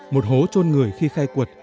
một hố trôn người khi khai quật